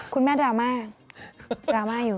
คุณแม่ดราม่าดราม่าอยู่